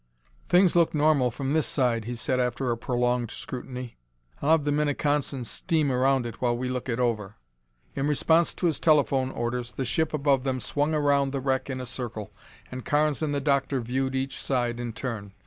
"Things look normal from this side," he said after a prolonged scrutiny. "I'll have the Minneconsin steam around it while we look it over." In response to his telephone orders the ship above them swung around the wreck in a circle, and Carnes and the Doctor viewed each side in turn.